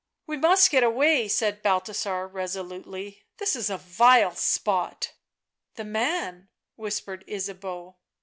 " We must get away," said Balthasar resolutely. " This is a vile spot." " The man," whispered Ysabeau.